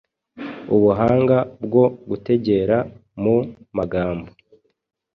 Ubuhanga bwo gutegera mu magambo